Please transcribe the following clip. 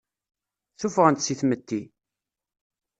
Ssufɣen-t si tmetti.